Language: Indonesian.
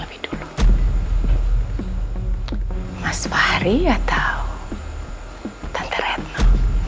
tapi dulu mas fahri atau tante retno